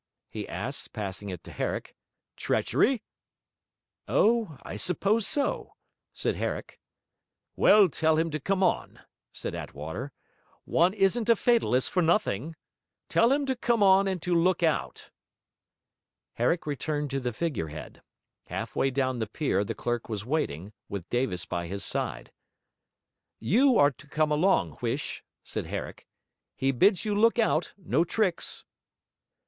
he asked, passing it to Herrick. 'Treachery?' 'Oh, I suppose so!' said Herrick. 'Well, tell him to come on,' said Attwater. 'One isn't a fatalist for nothing. Tell him to come on and to look out.' Herrick returned to the figure head. Half way down the pier the clerk was waiting, with Davis by his side. 'You are to come along, Huish,' said Herrick. 'He bids you look out, no tricks.'